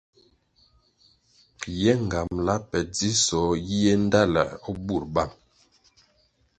Ye ngambala pe dzisoh yiéh ndtaluer o bur bang.